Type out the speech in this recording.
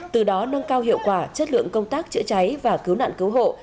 từ đó nâng cao hiệu quả chất lượng công tác chữa cháy và cứu nạn cứu hộ